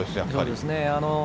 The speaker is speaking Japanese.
そうですね。